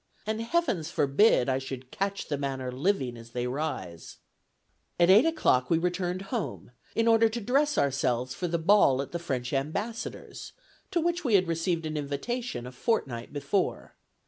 And Heavens forbid I should catch the manner living as they rise. "... At eight o'clock we returned home in order to dress ourselves for the ball at the French ambassador's, to which we had received an invitation a fortnight before.